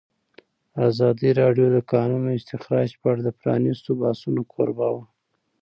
ازادي راډیو د د کانونو استخراج په اړه د پرانیستو بحثونو کوربه وه.